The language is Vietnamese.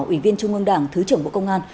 ủy viên trung ương đảng thứ trưởng bộ công an